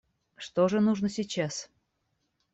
Что же нужно сейчас?